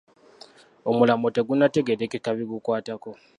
Omulambo tegunnategeerekeka bigukwatako.